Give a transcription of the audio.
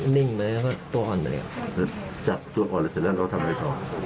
อ๋อนิ่งไปแล้วก็ตัวอ่อนไปเลยครับแล้วจับตัวอ่อนแล้วเสร็จแล้วเขาทำอะไรต่อ